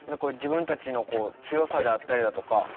自分たちの強さであったりだとか